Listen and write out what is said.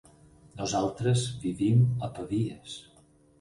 Nosaltres vivim a Pavies.